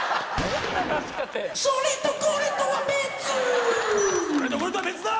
それとこれとは別だ！